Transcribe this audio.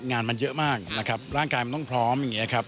งานมันเยอะมากนะครับร่างกายมันต้องพร้อมอย่างนี้ครับ